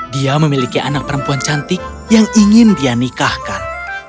dia memiliki anak perempuan cantik yang ingin dia nikahkan